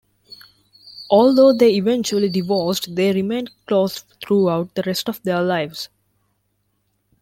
Although they eventually divorced, they remained close throughout the rest of their lives.